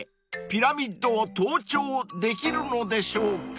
［ピラミッドを登頂できるのでしょうか？］